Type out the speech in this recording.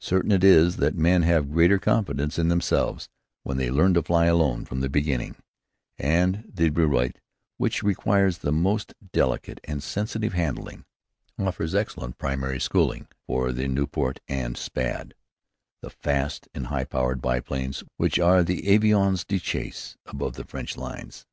Certain it is that men have greater confidence in themselves when they learn to fly alone from the beginning; and the Blériot, which requires the most delicate and sensitive handling, offers excellent preliminary schooling for the Nieuport and Spad, the fast and high powered biplanes which are the avions de chasse above the French lines.